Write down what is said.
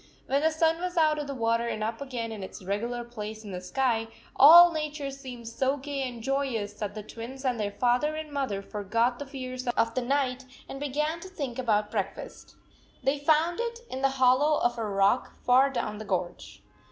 When the sun was out of the water and up again in its regular place in the sky, all nature seemed so gay and joyous that the Twins and their father and mother forgot the fears of the night, and began to think about breakfast. They found it in the hol low of a rock far down the gorge.